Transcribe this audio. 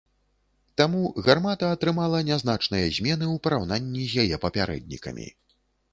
Таму гармата атрымала нязначныя змены ў параўнанні з яе папярэднікамі.